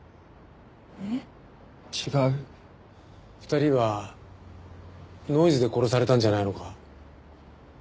２人はノイズで殺されたんじゃないのか？